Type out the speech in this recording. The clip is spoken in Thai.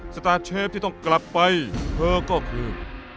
สตาร์เชฟที่ต้องกลับไปเธอก็คือ